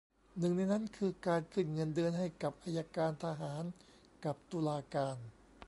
หนึ่งในนั้นคือการขึ้นเงินเดือนให้กับอัยการทหารกับตุลาการ